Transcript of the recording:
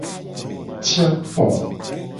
Ci akpo.